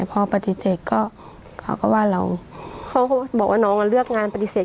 พอปฏิเสธก็เขาก็ว่าเราเขาก็บอกว่าน้องอ่ะเลือกงานปฏิเสธ